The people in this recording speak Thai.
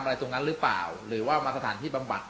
อะไรตรงนั้นหรือเปล่าหรือว่ามาสถานที่บำบัด